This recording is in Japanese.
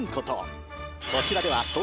こちらでは。